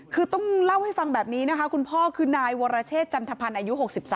คือต้องเล่าให้ฟังแบบนี้นะคะคุณพ่อคือนายวรเชษจันทพันธ์อายุ๖๒